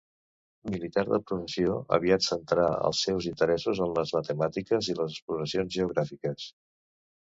Militar de professió, aviat centrà els seus interessos en les matemàtiques i les exploracions geogràfiques.